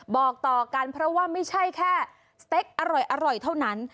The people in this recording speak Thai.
บอกต่อกันเพราะว่าไม่ใช่แค่สเต็กอร่อยเท่านั้น